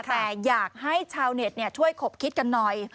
แต่อยากให้ชาวเน็ตช่วยขบคิดกันหน่อย